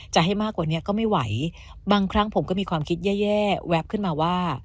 จะให้มากกว่านี้ก็ไม่ไหวบางครั้งผมก็มีความคิดแย่แวบขึ้นมาว่า